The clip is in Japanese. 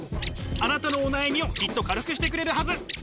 あなたのお悩みをきっと軽くしてくれるはず。